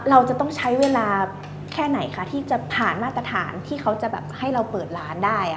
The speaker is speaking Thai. เราจะต้องใช้เวลาแค่ไหนคะที่จะผ่านมาตรฐานที่เขาจะแบบให้เราเปิดร้านได้